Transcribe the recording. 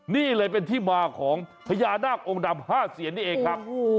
นี่เลยเป็นที่มาของพญานาคองค์ดำ๕เสียนนี่เองครับ